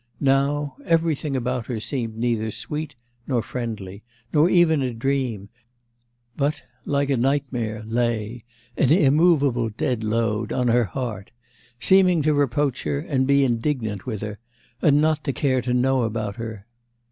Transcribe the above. Now everything about her seemed neither sweet nor friendly, nor even a dream, but, like a nightmare, lay, an immovable dead load, on her heart; seeming to reproach her and be indignant with her, and not to care to know about her....